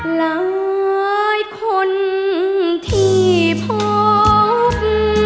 หลายคนที่พบ